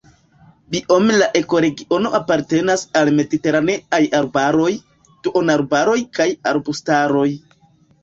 Biome la ekoregiono apartenas al mediteraneaj arbaroj, duonarbaroj kaj arbustaroj.